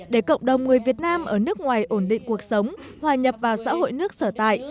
để cộng đồng người việt nam ở nước ngoài ổn định cuộc sống hòa nhập vào xã hội nước sở tại